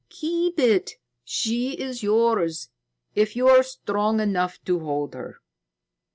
"Keep it. She is yours, if you are strong enough to hold her."